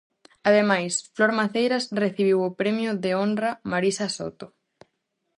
Ademais, Flor Maceiras recibiu o premio de honra "Marisa Soto".